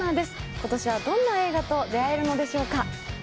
今年はどんな映画と出会えるのでしょうか？